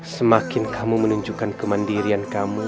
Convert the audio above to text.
semakin kamu menunjukkan kemandirian kamu